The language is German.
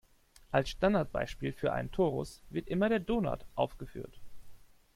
Als Standardbeispiel für einen Torus wird immer der Donut aufgeführt.